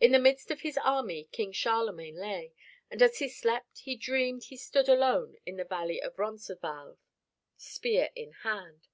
In the midst of his army King Charlemagne lay, and as he slept he dreamed he stood alone in the valley of Roncesvalles, spear in hand.